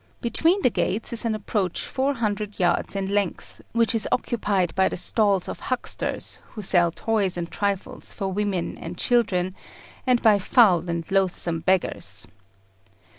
Between the gates is an approach four hundred yards in length, which is occupied by the stalls of hucksters, who sell toys and trifles for women and children, and by foul and loathsome beggars.